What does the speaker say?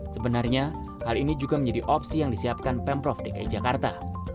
sebenarnya hal ini juga menjadi opsi yang disiapkan pemprov dki jakarta